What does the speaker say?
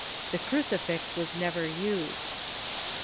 The crucifix was never used.